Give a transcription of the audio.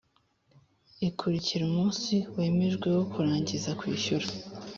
ikurikira umunsi wemejwe wo kurangiza kwishyura